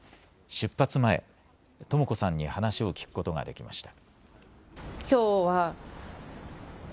出発前、とも子さんに話を聞くことができました。